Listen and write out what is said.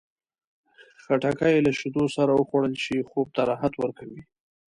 خټکی له شیدو سره وخوړل شي، خوب ته راحت ورکوي.